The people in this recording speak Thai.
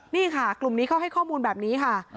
นี่ค่ะกลุ่มนี้เขาให้ข้อมูลแบบนี้ค่ะ